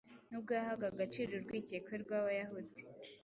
Nubwo yahaga agaciro urwikekwe rw’Abayahudi,